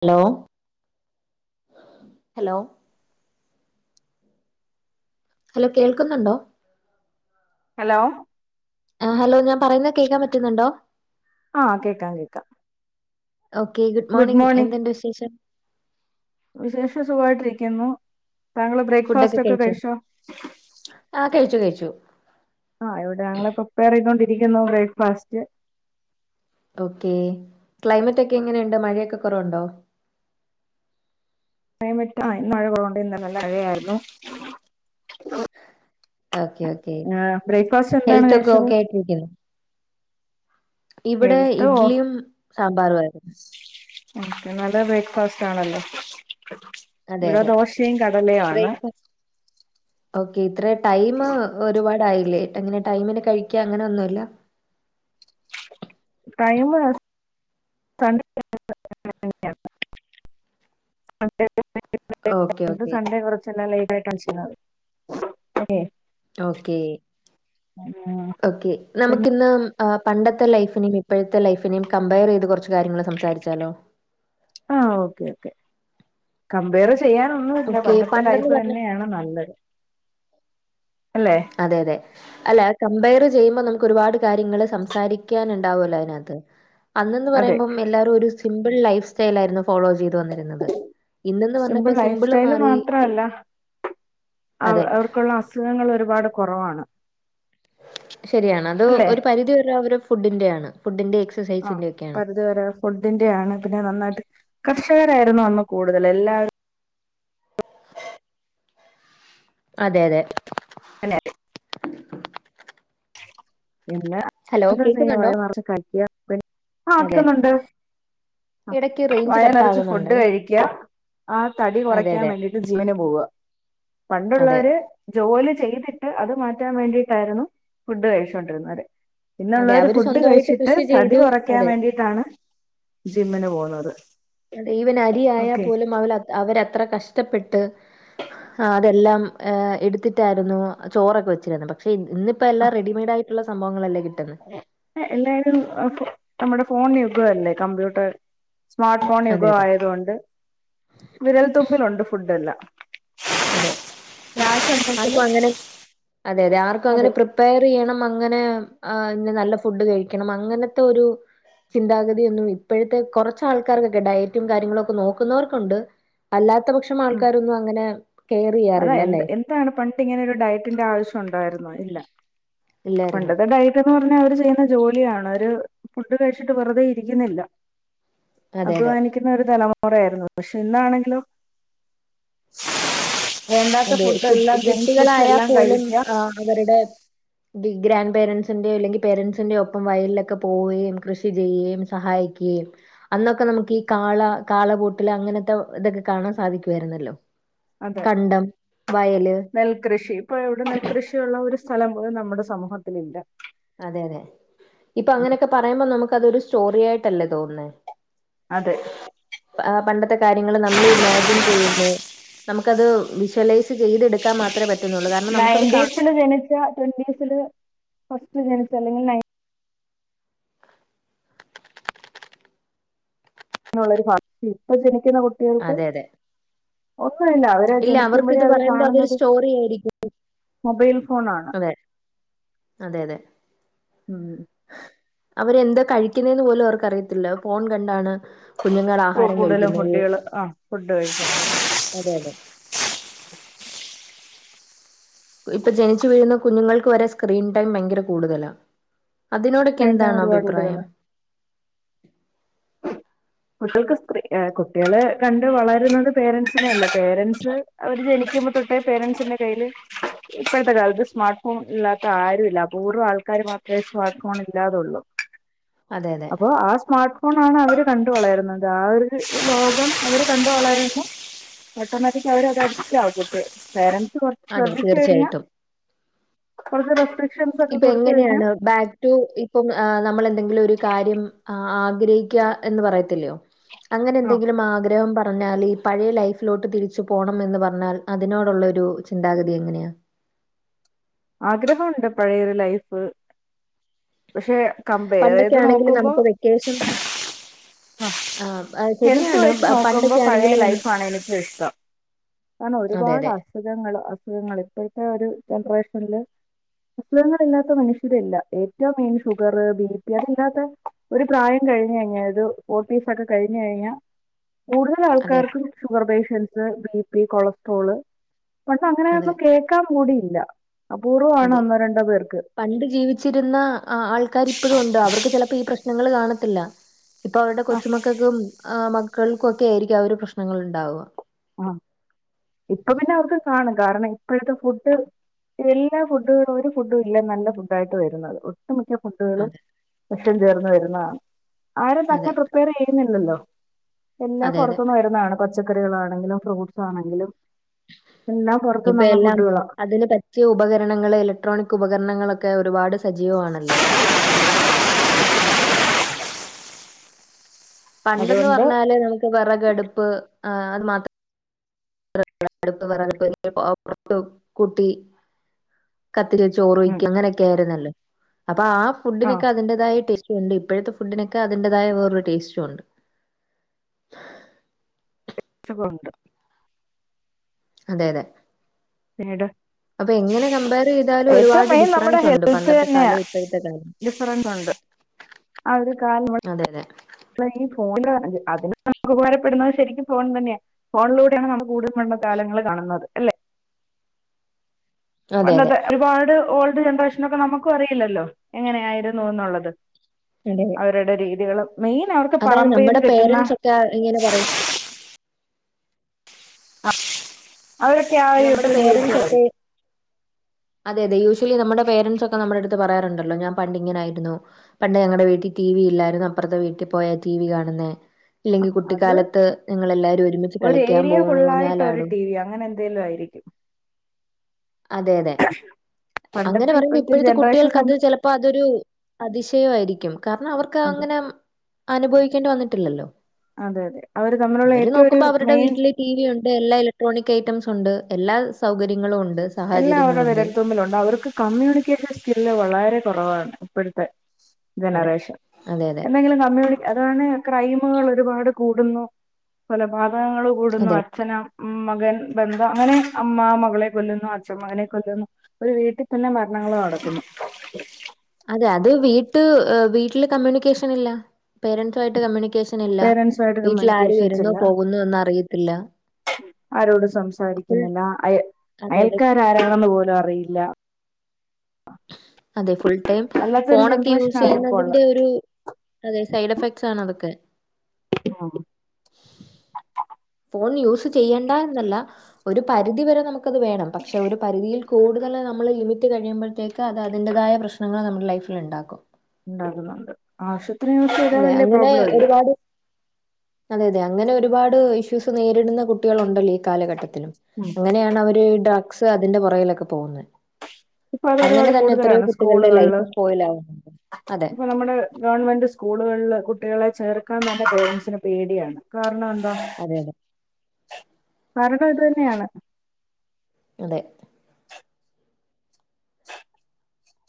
Hello hello hello കേൾക്കുന്നുണ്ടോ? Hello ആഹ് hello ഞാൻ പറയുന്നത് കേൾക്കാൻ പറ്റുന്നുണ്ടോ? ആഹ് കേക്കാം കേൾക്കാം ഓക്കേ ഗുഡ് മോർണിംഗ് എന്തുണ്ട് വിശേഷം വിശേഷ സുഖയിട്ടിരിക്കുന്നു ഫുഡ് ഒക്കെ കഴിച്ചോ ആ കഴിച്ചു കഴിച്ചു ആഹ് ഇവിടെ ഞങ്ങള് പ്രിപ്പയർ ചെയ്തോണ്ട് ഇരിക്കുന്നു ബ്രേക്ക് ഫാസ്റ്റ് ഓക്കേ ക്ലൈമറ്റ് ഒക്കെ എങ്ങനെ എണ്ട് മഴ ഒക്കെ കൊറവുണ്ടോ ക്ലമറ്റ് ആഹ് മഴ കൊറവ് ഒണ്ട് എന്ന്മഴയാരുന്നു ഓക്കേ ഓക്കേ ആഹ് ബ്രേക്ക്ഫാസ്റ്റ് എന്താണ് ഹെൽത്ത് ഒക്കെ കഴിച്ചത് ഓക്കെ ആയിട്ടിരിക്കുന്നു ഇവിടെ ഇഡ്ലിയും സാമ്പാറും ആയിരുന്നു ഓക്കേ നല്ല ബ്രേക്ക്ഫാസ്റ്റ് ആണല്ലോ ഇവിടെ ദോശയും കടലയുആണ് ഉ ഓക്കേ ഇത്ര ടൈം ഒരുപാട് ആയില്ലേ അങ്ങനെ ടൈമിന് കഴിക്ക അങ്ങനെ ഒന്നും ഇല്ല ടൈംമ് [inaudible] സണ്ടേ വേറെ ഓക്കെ ഒരു ഓക്കെ സണ്ടേ ചെല ലൈ ലൈറ്റ് [inaudible] ഓക്കേ ഓക്കേ പിന്നെ നമുക്ക ഇന്ന് പണ്ടത്തെ ലൈഫിനെ ഇപ്പോഴത്തെ ലൈഫിനെ കമ്പയർ ചെയ്ത് കൊറച്ച് കാര്യങ്ങള് സംസാരിച്ചാലോ ആഹ് ഓക്കെ ഓക്കെ കമ്പയറ് ചെയ്യാന് ഒന്നുവില്ല ഓക്കെ. പണ്ടത്തെ പണ്ടെന്ന് ലൈഫ് പറഞ്ഞാ തന്നെ ആണ് നല്ലത് അല്ലെ അതെയതെ അല്ല കമ്പയറ് ചെയ്യുമ്പോ നമുക്കൊരുപാട് കാര്യങ്ങള് സംസാരിക്കാന്ണ്ടാവൊല്ലോ അയിനാത്ത് അന്നെന്ന് അതെ പറയുമ്പം എല്ലാവരും ഒരു സിമ്പിൾ ലൈഫ്സ്റ്റയിലായിരുന്നു ഫോളോ ചെയ്ത് വന്നേ ഇന്നെന്ന് സിമ്പിൾ വന്നപ്പോ സിമ്പിള് മാറി ആ അതെ. അവർക്കുള്ള അസുഖങ്ങൾ ഒരുപാട് കൊറവാണ് ശരിയാണ്, അത് ഒരു പരിധി വരേ അവരെ ഫുഡിന്റെ ആണ് ഫുഡിന്റെ എക്സ് ആഹ് പരിധി വരെ ഫുഡിന്റെ ആണ്. പിന്നെ നന്നായിട്ട് കർഷകരായിരുന്നു അന്ന് കൂടുതൽ എല്ലാവരു ആ അതെയതെ അല്ലെ ഉം ഇല്ല ഹലോ അത്യാവശ്യം കേൾക്കുന്നുണ്ടോ? കയ്യിൻ നറച്ച് കരി ആക്കും അതെ. ആയികോട്ടെ അങ്ങിട് [unintelligible] അ ഇടയ്ക്ക് റേഞ്ച് വയറ് കട്ട് നറച്ച് ഫുഡ് ആകുന്നുണ്ടേ. കഴിക്കുക ആ തടി അതെ, കൊറയ്ക്കാൻ അതെ. വേണ്ടിട്ട് ജിമ്മിന് പോവുക അതെ. പണ്ട്ള്ളവര് ജോലി ചെയ്തിട്ട് അത് മാറ്റാൻ വേണ്ടിട്ടായിരുന്നു ഫുഡ് കഴിച്ചൊണ്ട് ഇരുന്നത് അതെ ഇന്നുള്ളവര് അവര് ഫുഡ് സ്വന്തമായിട്ട് കഴിച്ചിട്ട് കൃഷി തടി ചെയ്തു കൊറക്കാൻ അതെ വേണ്ടിട്ടാണ് ജിമ്മിന് പോവുന്നത് അതെ ഈവൻ അരി ആയാ പോലും അവ അവരത്ര കഷ്ടപ്പെട്ട് ഹാ അതെല്ലാം എടുത്തിട്ടയിരുന്നു ചോറൊക്കെ വെച്ചിരുന്നത് ക്ഷെ ഇന്നിപ്പ എല്ലാം റെഡിമെയ്ഡായിട്ടുള്ള സംഭവങ്ങളല്ലേ കിട്ടുന്നെ എ എല്ലാരും അപ്പോ നമ്മുടെ ഫോൺ യുഗം അല്ലേ കമ്പ്യൂട്ടർ സ്മാട്ട് ഫോൺ അതെ യുഗം അതെ ആയത് കൊണ്ട് വിരൽതുമ്പിലുണ്ട് ഫുഡ്ഡെല്ലാം അതെ ആർക്കുഅങ്ങനെ അതെ അതെ ആർക്കു അങ്ങനെ പ്രി പ്പയറെയ്യണം അങ്ങനെ നി നല്ല ഫുഡ് കഴിക്കണം അങ്ങനത്തെ ഒരു ചിന്താഗതി ഒന്നും ഇപ്പഴത്തെ കൊറച്ച് ആൾക്കാർക്ക് ഒക്കെ ഡയറ്റും കാര്യങ്ങളും ഒക്കെ നോക്കുന്നവർക്കുണ്ട് അല്ലാത്ത പക്ഷം ഉം ആൾക്കാരൊന്നും അങ്ങനെ കെയറി അതാ എന്ത് എന്താണ് പണ്ട് ഇങ്ങനൊരു ഡയറ്റിന്റെ ആവശ്യം ഒണ്ടായിരിന്നോ ഇല്ല ഇല്ലായിരുന്നു പണ്ടത് ഡയറ്റ്ന്ന് പറഞ്ഞാ അവര് ചെയ്യുന്ന ജോലിയാണ് അവരു ഫുഡ് കഴിച്ചിട്ട് വെറുതെ ഇരിക്കുന്നില്ല അതെ അതെ അധ്വാനിക്കുന്ന ഒരു തലമുറ ആയിരിന്നു പക്ഷെ ഇന്നാണെങ്കിലോ വേണ്ടാത്ത അതെ ഫുഡ് കുട്ട് എല്ലാം ജങ്ക് ഫുഡ്സ് കുട്ടികളായാ എല്ലാം പോലും കഴിക്കുക ആഹ് അവരുടെ ടിഗ്രാൻഡ് പേരൻസിന്റെ അല്ലെങ്കിൽ പേരൻസിന്റെ ഒപ്പം വയലിലൊക്കെ പോവുകയും കൃഷി ചെയ്യുകേം സഹായി ക്കേം അന്നൊക്കെ നമുക്ക് ഈ കാള കാളപൂട്ടില് അങ്ങനത്തെ ഇതൊക്കെ കാണാൻ സാധിക്കുവായിരുന്നല്ലോ അതെ കണ്ടം വയല് നെൽകൃഷി, ഇപ്പ എവിടെ നെൽകൃഷി ഉള്ള ഒരു സ്ഥലം പോലും നമ്മുടെ സമൂഹത്തിലില്ല അതെ അതെ ഉം ഇപ്പൊങ്ങനൊക്കെ പറയുമ്പോ നമുക്കതൊരു സ്റ്റോറി ആയിട്ടല്ലേ തോന്നുന്നേ അതെ ആ പണ്ടത്തെ കാര്യങ്ങൾ നമ്മള് ഇമാജിൻ ചെയ്യുന്നു, നമുക്കത് വിഷ്വലൈസ് ചെയ്തെടുക്കാൻ മാത്രമേ പറ്റുന്നുള്ളൂ കാരണം നമുക്കത് കാ നയന്റീസില് ജനിച്ച ട്വീന്റീസില് ഫസ്റ്റ്ല് ജനിച്ച അല്ലെങ്കി നയൻ [unintelligible] ഇപ്പ ജനിക്കുന്ന കു അതെ അതെ ഒന്നുഇല്ല അവര് ഇല്ല ജനിക്കുമ്പഴേ അവർക്കിത് അവര് പറയുമ്പോ അതൊരു കാണുന്നത് സ്റ്റോറി ആയിരിക്കും മൊബൈൽ ഫോണാണ് അതെ അതെ അതെ ഉം അവരെന്താ കഴിക്കുന്നെന്ന് പോലും അവർക്കറിയത്തില്ല, ഫോൺ കണ്ടാണ് കുഞ്ഞുങ്ങൾ ഇപ്പൊ ആഹാരം കൂടുതലും കഴിക്കുന്നത്. ഫുഡുകൾ ആ ഫുഡ് കഴിക്കും അതെ അതെ ഇപ്പൊ ജനിച്ചു വീഴുന്ന കുഞ്ഞുങ്ങൾക്ക് വരെ സ്ക്രീൻ ടൈം ഭയങ്കര കൂടുതലാ അതിനോടൊക്കെ സ്ക്രീൻ ടൈം എന്താണ് ഒരുപാട് അഭിപ്രായം. കൂടുതലാണ് കുട്ടികൾക്ക് സ്ത്രീ കുട്ടികള് കണ്ട് വളരുന്നത് പേരൻസിനെല്ല പേരൻറ്സ് അവര് ജന ക്കുപ തൊട്ടേ പേരൻസിന്റെ കയ്യില്. ഇപ്പോഴത്തെ കാലത്ത് സ്മാർട്ട് ഫോൺ ഇല്ലാത്ത ആരും ഇല്ല. അപൂർവ്വം ആൾക്കാർ മാത്രമേ സ്മാർട്ട് ഫോൺ ഇല്ലാതുള്ളൂ. [inaudible] അതെ അപ്പോ, ആ സ്മാർട്ട് ഫോൺ ആണ് അവര് കണ്ടത്. ക വളരുന്നത്. ആ ഒരു ലോകം അവര് കണ്ട് വളരുന്നു. ഓട്ടോമാറ്റിക് അവരടെ ത് അഡിക്റ്റ് ആവും വെച്ചിട്ട് പേരന്റ് സ്. അതെ, തീർച്ചയായിട്ടും. കുറച്ച് റസ്പെക്ഷം ഇപ്പൊ, എങ്ങനെയാണ് ബാ റ്റു, ഇപ്പം, നമ്മൾ എന്തെങ്കിലും ഒരു കാര്യം ആഗ്രഹിക്കുക എന്ന് പറയത്തില്ലോ അങ്ങനെ ആ എന്തെങ്കിലും ആഗ്രഹം പറഞ്ഞാൽ പഴയ ലൈഫിലോട്ട് തിരിച്ചു പോണം എന്ന് പറഞ്ഞാൽ അതിനോടുള്ള ഒരു ചിന്താഗതി എങ്ങനെയാണ. ആഗ്രഹംണ്ട് പഴയരു ലൈഫ്. പക്ഷെ, കമ്പയർ പണ്ടൊക്കെ ചെയത് ആണെങ്കിൽ നോക്കുമ്പോ. നമുക്ക് വെക്കേഷൻ ആ ഹെൽത്ത്‌ ശരിയാണ് വച്ച് പ- നോക്കുമ്പോ, പണ്ടൊക്കെ പഴയ ആണെങ്കിൽ ലൈഫ നമുക്ക് ആണ് എനക്ക് ഇഷ്ടം. കാരണം, അതെ അതെ ഒരുപാട് അസുഖങ്ങൾ അസുഖങ്ങള് ഇപ്പോഴത്തെ ഒരു ജനറേഷനില് അസുഖങ്ങളില്ലാത്ത മനുഷ്യരില്ല. ഏറ്റവും മെയിൻ, ഷുഗർ ബി, പി, അത് ഇല്ലാത്ത. ഒരു പ്രായം കഴിഞ്ഞ് കഴിഞ്ഞൽ. ഇത് ഫോർട്ടീസ് ഒക്കെ കഴിഞ് കഴിഞ്ഞാൽ [inaudible] കൂടുതൽ അതെ ആൾക്കാർക്കും sugar patients B, P, cholesterol. പണ്ട് അങ്ങനെ അതെ ഒന്നും കേൾക്കാൻ കൂടിയില്ല. അപൂർവമാണ് അതെ. ഒന്നോ രണ്ടോ പേർക്ക്. പണ്ട് ജീവിച്ചിരുന്ന ആൾക്കാർ ഇപ്പോഴും ഉണ്ട് അവർക്ക് ചിലപ്പോ ഈ പ്രശ്നങ്ങൾ കാണത്തില്ല. ഇപ്പൊ അവരുടെ കൊച്ചുമക്കൾക്കും ആ മക്കൾക്കും ഒക്കെ ആയിരിക്കും ആ ഒരു പ്രശ്നങ്ങൾ ഉണ്ടാവുക. ആഹ്‌, ഇപ്പൊ, പിന്നെ, അവർക്ക് കാണും. കാരണം ഇപ്പോഴത്തെ ഫുഡ്. എല്ലാ ഫുഡുകളും. ഒരു ഫുഡും ഇല്ല നല്ല ഫുഡ ആയിട്ട് വരുന്നത്. ഒട്ടു മിക്ക ഫുഡുകളും അതെ വിഷം ചേർന്ന് വരുന്നതാണ്. ആരും തന്നെ അതെ പ്രിപ്പയർ ചെയ്യുന്നില്ലല്ലോ? എല്ലാം അതെ അതെ. പുറത്തുനിന്ന് വരുന്നതാണ് പച്ചക്കറികളാണ്. ആങ്കില ഫ്രൂട്ട്സ് ആണെങ്കിലും എല്ലാം പുറത് നിന്ന്ള്ള ഫുഡുകളാണ്. ക്കിയ ഉപകരണങ്ങൾ. ഇലക്ട്രോണിക് ഉപകരണങ്ങളൊക്കെ ഒരുപാട് സജീവമാണല്ലോ. പണ്ടന്ന് അതുകൊണ്ട് പറഞ്ഞാല് നമുക്ക് വിറകടുപ്പ് അത് മാത്ര [unintelligible] കൂട്ടി കത്തി ചോറ് ഉം ഒഴിക്കും അങ്ങനെയൊക്കെ ആരുന്നല്ലോ? അപ്പൊ ആ ആ ഫുഡിനൊക്കെ അതിന്റേതായ ടേസ്റ്റ് ഉണ്ട്, ഇപ്പോഴത്തെ ഫുഡിനൊക്കെ അതിന്റതായ വേറൊരുടസ്റ്റും ഉണ്ട്. [unintelligible] ഖുണ്ട് അതെ, അതെ പിന്നീട് അപ്പൊ എങ്ങനെ കമ്പയർ ചെയ്താലും ഏറ്റവും ഒരുപാട് മെയിൻ നമ്മുടെ ഡിഫറൻസ് ഉണ്ട് ഹെൽത്ത് പണ്ടത്തെ തന്നെയാ. കാലവും ഇപ്പോഴത്തെ കാലവും ഡിഫറൻസ് ഒണ്ട്. [unintelligible] അതേ, അതെ ഈ, ഫോണില് അതിന് നമുക്ക്‌ ഉപകാരപ്പെടുന്നത് ശെരിക്കും ഫോൺ തന്നെയാ... ഫോണിലൂടെയാണ് നമ്മള് കൂടലും പണ്ടത്ത കാലങ്ങൾ കാണുന്നത്. അല്ലെ? അതെ അതെ പണ്ടത്തെ ഒരുപാട് ഓൾഡ് ജനറേഷനെക്കെ നമുക്കും അറിയില്ലല്ലോ, എങ്ങനെയായിരുന്നു എന്നുള്ളത്. [unintelligible] അവരുടെ രീതികളും മെയിൻ അവർക്ക് അതാണ് പറമ്പീന്ന് നമ്മുടെ കിട്ട്ന്ന [unintelligible] ഇങ്ങനെ പറയും. അ അവരൊക്ക നമ്മുടെ പേരൻസ് ഒക്കെ [unintelligible] അതെ അതെ യൂഷ്വലി നമ്മുടെ പേരൻസ് ഒക്കെ നമ്മ്ടടുത്ത് പറയാറുണ്ടല്ലോ ഞാൻ പണ്ടിങ്ങനെ ആയിരുന്നു. പണ്ട് ഞങ്ങടെ വീട്ടി ടി വി ഇല്ലായിരുന്നു അപ്പർത്തെ വീട്ടി പോയ ടി വി കാണുന്നേ. ഇല്ലെങ്കി അത് കുട്ടിക്കാലത്ത് ഞങ്ങളെല്ലാരും ഒരുമിച്ച് ഒരു കളിക്കാൻ ഏരിയ പോവും ഫുള്ളായിട്ട് ഊഞ്ഞാലാടും [unintelligible] അങ്ങനെ ന്തേലും ആയിരിക്കും. അതെ അതെ അങ്ങനെ പണ്ടത്തെ പറയുമ്പോ ഇപ്പോഴത്തെ ജനറേഷൻ കുട്ടികൾക്ക് അത് തമ്മിൽ ചിലപ്പോ അതൊരു അതിശയവായിരിക്കും കാരണം അവർക്ക് അതെ അങ്ങന അനുഭവിക്കേണ്ടി വന്നിട്ടില്ലല്ലോ അതെ അതെ അവര് തമ്മിലുള്ള അവര് ഏറ്റവും ഒരു നോക്കുമ്പോ അവരുടെ മെയിൻ വീട്ടില് ടി വി ഒണ്ട് എല്ലാ ഇലക്ട്രോണിക് ഐറ്റംസ് ഒണ്ട് എല്ലാ സൗകര്യങ്ങളും ഒണ്ട്. എല്ലാം അവര്ടെ വിരൽ തുമ്പിലുണ്ട് അവർക്ക് കമ്മ്യൂണിക്കേഷൻ സ്കില്ല് വളരെ കൊറവാണ് ഇപ്പോഴ്ത്തെ അതെ ജനറേഷൻ അതെ അതെ എന്തെങ്കിലും കമ്മ്യൂണി അതാണ് ക്രൈമുകൾ ഒരുപാട് കൂടുന്നു കൊലപാതകങ്ങൾ കൂടുന്നു അതെ അച്ഛനമ് മ്മ മകൻ ബന്ധം അങ്ങനെ അമ്മ മകളെ കൊല്ലു ന്നു അച്ഛൻ മകനെ കൊല്ലുന്നു ഒരു വീട്ടിൽ തന്നെ മരണങ്ങള് നടക്കുന്നു. അതെ അത് വീട്ട് വീട്ടില് കമ്മ്യൂണിക്കേഷൻ ഇല്ല പേരന്റ്സും ആയിട്ട് കമ്മ്യൂണിക്കേഷൻ ഇല്ല പേരൻസുമായിട്ട് വീട്ടിൽ ആര് കമ്മ്യൂണിക്കേഷൻസ് വരുന്നു ഇല്ല പോകുന്നുന്നറിയത്തില്ല ആരോടും സംസാരിക്കുന്നില്ല അയ അതെ അതെ അയൽക്കാരാരാണെന്ന് പോലും അറിയില്ല. അതെ ഫുൾ ടൈം അല്ലാത്തൊരു ഫോണൊക്കെ യൂസ് ജനറേഷനാണ് ഇപ്പോൾ ഉള്ളത് ചെയ്യുന്നതിന്റെ ഒരു അതെ സൈഡ് എഫക്ട്സ് ആണ് അതക്കെ ആഹ് ഫോൺ യൂസ് ചെയ്യണ്ടാ എന്നല്ല ഒരു പരിധിവരെ നമുക്കത് വേണം പക്ഷെ ഒരു പരിധിയിൽ കൂടുതൽ നമ്മള് ലിമിറ്റ് കഴിയുമ്പഴ്ത്തേ ക്കത അതിന്റതായ പ്രശ്നങ്ങൾ നമ്മുടെ ലൈഫിൽ ണ്ടാക്കും ണ്ടാകുന്ന്ണ്ട് ആശുപത്രി യൂസ് ചെയ്താൽ അതെ വല്ല്യ അങ്ങനെ പ്രോബ്ലം ഇല്ല ഒരുപാട് അതെ അതെ അങ്ങനെ ഒരുപാട് ഇഷ്യൂസ് നേരിടുന്ന കുട്ടികളുണ്ടല്ലോ ഈ കാലഘട്ടത്തി ലും അങ്ങനെയാണ് അവര് ഡ്രഗ്സ് അതിന്റെ പുറയിലൊക്കെ പോകുന്നേ. ഇപ്പൊ അത് അങ്ങനെ ഒരുപാട് തന്നെ എത്രയോ കൂടുതലാണ് കുട്ടികൾടെ സ്കൂളുകളിൽ ലൈഫാ സ്പോയിലാവുന്നുണ്ട് അതെ ഇപ്പൊ നമ്മുടെ ഗവൺമെന്റ് സ്കൂളുകൾല് കുട്ടികളെ ചേർക്കാൻ തന്നെ പേരൻറ്സിന് പേടിയാണ് കാരണം എന്താ അതെതെ കാരണം ഇത് തന്നെയാണ് അതെ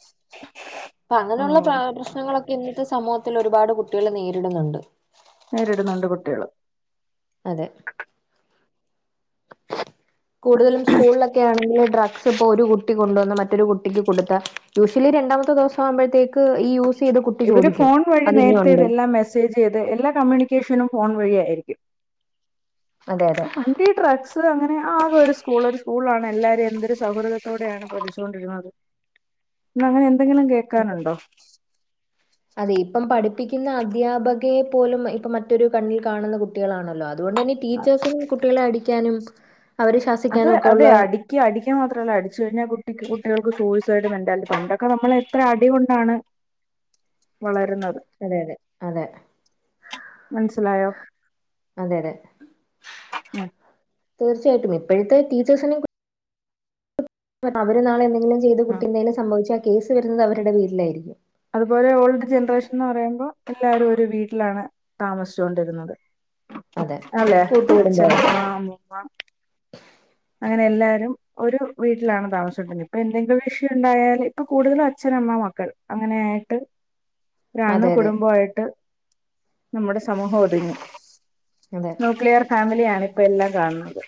[inaudible] പ്പ അങ്ങനൊള്ള ഉം. പ്ര പ്രശ്നങ്ങളൊക്കെ ഇന്നത്തെ സമൂഹത്തിൽ ഒരുപാട് കുട്ടികൾ നേരിടുന്നുണ്ട്. നേരിടുന്നുണ്ട് കുട്ടികള് അതെ കൂടുതലും സ്കൂളിലൊക്കെ ആണെങ്കിൽ ഡ്രഗ്സ് ഇപ്പോ ഒരു കുട്ടി കൊണ്ടുവന്ന മറ്റൊരു കുട് ട്ടിക്ക് കൊടുത്താ യൂശ്വലി രണ്ടാമത്തെ ദീവ്സാമ്പഴ്ത്തേക്ക് ഈ ചെയ്ത കുട്ടി ഇവര് ചോദിക്കും. ഫോൺ വഴി അത് ഇനി നേരത്തെ ഉണ്ടോ? ഇതെല്ലാം മെസ്സേജ് ചെയ്ത് എല്ലാ കമ്മ്യൂണിക്കേഷനും ഫോൺ വഴിയായിരിക്കും. അതെ അതെ അപ്പൊ പണ്ട് ഈ ഡ്രഗ്സ് അങ്ങനെ ആകെ ഒരു സ്കൂൾ ഒരു സ്കൂള ആണ് എല്ലാരും എന്തൊരു സൗഹൃദത്തോടെയാണ് പഠിച്ചുകൊണ്ടിരുന്നത് [inaudible] ഇന്ന് അങ്ങനെ എന്തെങ്കിലും കേക്കാനു ഇണ്ടോ? അതെ ഇപ്പം പഠിപ്പിക്കുന്ന അധ്യാപകയെ പോലും ഇപ്പം മറ്റൊരു കണ്ണിൽ കാണുന്ന കുട്ടികളാണല്ലോ അ അതുകൊണ്ട് തന്നെ അ- ടീച്ചേഴ്സ്നും കുട്ടികളെ അടിക്കാനും അവരെ ശാസിക്കാനും ഒക്കെ ഉള്ള ക്ക് അടിക്കാ മാത്ര അല്ല അടിച്ചു കഴിഞ്ഞാ കുട്ടിക്ക് കുട്ടികൾക്ക് സൂയിസൈഡ് മെന്റാലിറ്റി പണ്ടൊക്കെ നമ്മൾ എത്ര അടി കൊണ്ടാണ് വളരുന്നെത് അതെ അതെ അതെ മനസ്സിലായോ അതെ അതെ ഉം, തീർച്ചയായിട്ടും ഇപ്പഴ്ത്തെ ടീച്ചേഴ്സിനിം അവര് നാളെ എന്തെങ്കിലും ചെയ്ത് ഉം. കുട്ടി എന്തെലും സംഭവിച്ചാ ആ കേസ് വെരുന്നെത് അവരുടെ പേരിലായിരിക്കും അതുപോലെ ഓൾഡ് ജൻറേഷൻന്ന് പറിയുമ്പോ എല്ലാരും ഒരു വീട്ടിലാണ് താമസിച്ചോണ്ട് ഇരുന്നെത് അതെ അച്ഛൻ കൂട്ടുകുടുംബമായിട്ട്. അമ്മുമ്മാ അങ്ങനെ എല്ലാരും ഒരു വീട്ടിലാണ് താമസിച്ചോണ്ട് ഇരുന്നെ ഇപ്പ എന്തെങ്കിലും വിഷയം ഇണ്ടായാൽ ഇപ്പം കൂട്തെലും അച്ഛൻ അമ്മ മക്കൾ അങ്ങനെയായിട്ട് ഒരു അണു അതെ, അതെ. കുടുംബ ആയിട്ട് നമ്മുടെ സമൂഹം ഒതുങ്ങി. അതെ ന്യൂക്ലിയെർ ഫാമിലിയാണ് ഇപ്പം എല്ലാം കാണുന്നെത്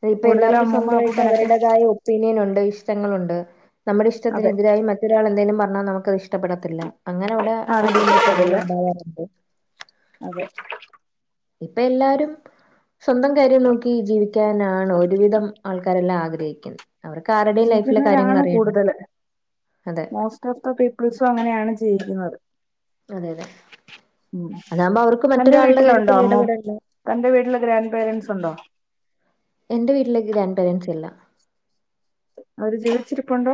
അതിൽ ഇപ്പം എല്ലാർക്കും സ്വന്തവായിട്ട് അപ്പൂപ്പനൊക്കെ അവരുടെതായ ഒ പ്പീനിയെൻ ഉണ്ട് ഇഷ്ടങ്ങൾ ഉണ്ട് നമ്മുടെ അതെ ഇഷ്ടത്തിനെതിരായി മറ്റ് റ്റൊരാൾ എന്തെങ്കിലും പറഞ്ഞാൽ നമുക്ക് അത് ഇഷ്ടപ്പെടത്തില്ല അങ്ങനെ നെ ആർക്കും അടിം പ്രശ്നങ്ങളും ഇഷ്ടപ്പെടില്ല ഇണ്ടാവാറ് ഇണ്ട് അതെ ഇപ്പ എല്ലാരും സ്വന്തം കാര്യം നോക്കി ജീവി ക്കെന്നാണ് ഒരുവിധം ആൾക്കാരെല്ലാം ആഗ്രഹിക്കി അവര്ക്ക് ആരടെം ലൈഫിലെ കാര്യങ്ങൾ ജീവിക്കുന്നവരാണ് അറിയെണ്ട അതെ ഇപ്പത്തെ പീപ്പിൾസും അങ്ങനെയാണ് ജീവിക്കുന്നെത് അതെ അതെ ഉം അതാകുമ്പോ അവർക്ക് തന്റെ മറ്റൊരാളുടെ വീട്ടിലുണ്ടോ കാര്യത്തിൽ അമ്മോം ഇടപെടണ്ട തന്റെ വീട്ടില് ഗ്രാൻന്റ് പാരന്റ്സ് ഉണ്ടോ? എന്റെ വീട്ടിൽ ഗ്രാന്റ് പാരെൻസ് ഇല്ല അവര് ജീവിച്ചിരിപ്പുണ്ട്?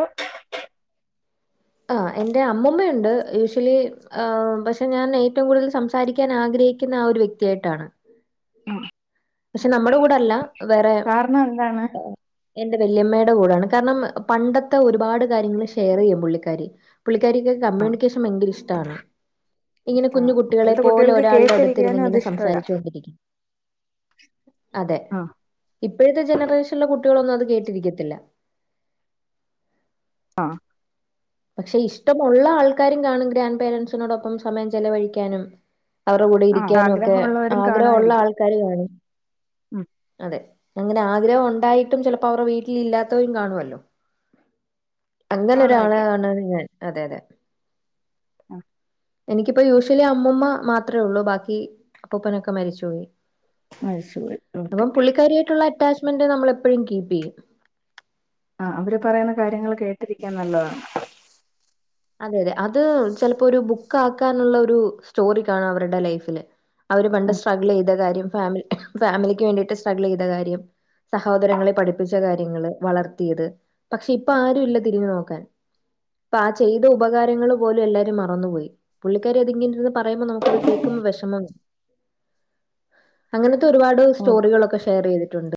ആഹ് എന്റെ അമ്മമ്മയുണ്ട് യൂഷ്വലി ഏഹ് പക്ഷെ ഞാൻ ഏറ്റവും കൂട്തെൽ സംസാരിക്കാൻ ആഗ്രഹിക്കിന്നെ ആഹ് ഒരു വ്യക്തിയായിട്ടാണ് പക്ഷെ നമ്മടെ കൂടെ അല്ല വേറെ കാരണം എന്താണ് എന്റെ വല്യമ്മെടെ കൂടെയാണ് കാരണം പണ്ടത്തെ ഒരുപാട് കാര്യങ്ങൾ ഷെയർ ചെയ്യും പുള്ളിക്കാരി പുള്ളിക്കാരിക്ക് ആ കമ്മ്യൂണിക്കേഷൻ ഭയങ്കര ഇഷ്ടാണ് ഇങ്ങനെ കുഞ്ഞു ഇഷ്ടമാണ് കുട്ടികളെ ഇപ്പോഴത്തെ പോലെ കുട്ടികൾക്ക് ഒരാളുടെ അട്ത്ത് ഇര്ന്ന് കേട്ടിരിക്കാനും അത് ഇങ്ങനെ ഇഷ്ടമല്ല സംസാരിച്ചൊണ്ടിരിക്കും അതെ ആ ഇപ്പഴത്തെ ജനറേഷെൻ ഇള്ള കുട്ടികളൊന്നും അത് കേട്ടിരിക്കത്തില്ല ആഹ് പക്ഷെ ഇഷ്ടമുള്ള ആൾക്കാരും കാണും ഗ്രാന്റ് പേരന്റ്സിനോടൊപ്പം സമയം ചെലവഴിക്കാനും അവറെ കൂടെ ആ ഇരിക്കാനും ഒക്കെ ആഗ്രഹമുള്ളവരും ആഗ്രഹ ഒള്ള കാണുമായിരിക്കും ആൾക്കാര് കാണും ഉം അതെ അങ്ങനെ ആഗ്രഹം ഒണ്ടായിട്ടും ചിലപ്പോ അവറെ വീട്ടിൽ ഇല്ലാത്തവെരും കാണുവല്ലോ അങ്ങനെ ഒര് ആളെ കാണുമായിരിക്കും കാണാണ് ഞാൻ അതെ അതെ ആഹ് എനിക്കിപ്പോ യൂഷ്വലി അമ്മൂമ്മ മാത്രം ഒള്ളു ബാക്കി അപ്പൂപ്പനൊക്കെ മരിച്ചു പോയി അത് ശരി ഓക്കെ അപ്പം പുള്ളിക്കാരിയായിട്ടുള്ള അറ്റാച്ച്മെന്റ് നമ്മൾ എപ്പഴും കീപ്പ് ചെയ്യും ആഹ് അവര് പറയുന്ന കാര്യങ്ങൾ കേട്ടിരിക്കാൻ നല്ലതാണ് അതെ അതെ അത് ചിലപ്പോ ഒരു ബുക്ക് ആാക്കാനുള്ള ഒരു സ്റ്റോറി കാണ അവരുടെ ലൈഫില് അവര് പണ്ട് സ്ട്രഗിൾ ചെയ്ത കാര്യം ഫാമില ഫാമിലിക്ക് വേണ്ടിയിട്ട് സ്ട്രഗിൾ ചെയ്ത കാര്യം സഹോദരങ്ങളെ പഠിപ്പിച്ച കാര്യങ്ങൾ വളർത്തിയത് പക്ഷെ ഇപ്പ ആരും ഇല്ല തിരിഞ്ഞു നോക്കാൻ ഇപ്പൊ ആ ചെയ്ത ഉപകാരങ്ങള് പോലും എല്ലാരും മറന്നുപോയി പുള്ളിക്കാര് അതിങ്ങന്ന് പറയുമ്പോ നമുക്കത് കേൾക്കുമ്പോ വിഷമ അങ്ങനത്തെ ഒരുപാട് ഓക്കെ സ്റ്റോറികളൊക്കെ ഷെയർ ചെയ്തിട്ടുണ്ട്